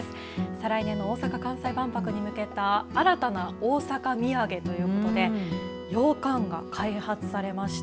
再来年の大阪・関西万博に向けた新たな大阪土産ということで、ようかんが開発されました。